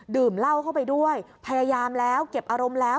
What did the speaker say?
ดื่มเหล้าเข้าไปด้วยพยายามแล้วเก็บอารมณ์แล้ว